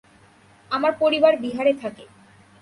আমার পরিবার বিহারে থাকে।